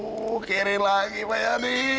mukirin lagi pak yadi